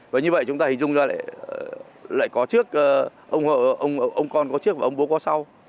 và như vậy chúng ta hình dung ra lại có trước ông con có trước và ông bố có sau